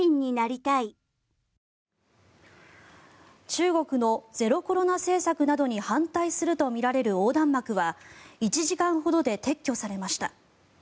中国のゼロコロナ政策などに反対するとみられる横断幕は１時間ほどで撤去されました。